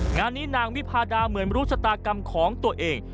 งานนี้นางวิพาดาเหมือนรู้ชะตากรรมของตัวเอง